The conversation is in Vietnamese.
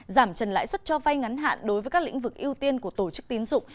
giảm trần lãi xuất cho vai ngắn hạn đối với các lĩnh vực ưu tiên của tổ chức tiến dụng